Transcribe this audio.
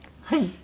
はい。